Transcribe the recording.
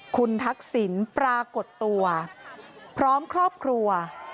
คุณทักษิณปรากฏตัวพร้อมครอบครัว